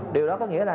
điều đó có nghĩa là